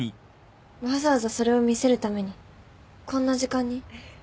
わざわざそれを見せるためにこんな時間に？